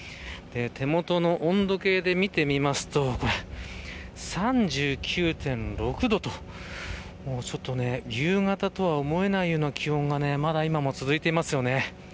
手元の温度計で見てみますと３９．６度とちょっと夕方とは思えないような気温がまだ今も続いていますよね。